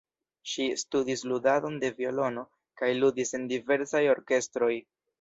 Ŝi studis ludadon de violono kaj ludis en diversaj orkestroj.